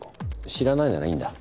知らないならいいんだ。